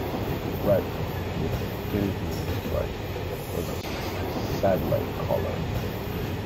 Red, with a thin green stripe, was the Sedleigh color.